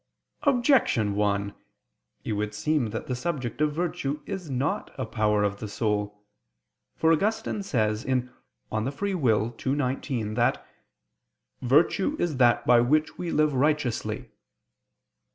Objection 1: It would seem that the subject of virtue is not a power of the soul. For Augustine says (De Lib. Arb. ii, 19) that "virtue is that by which we live righteously."